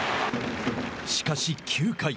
しかし、９回。